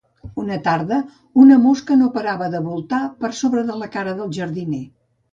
Una tarda una mosca no parava de voltar per sobre la cara del jardiner.